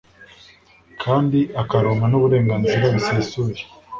kandi akaronka n'uburenganzira bisesuye